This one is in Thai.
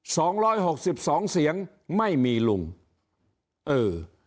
สองร้อยหกสิบสองเสียงไม่มีลุงเออ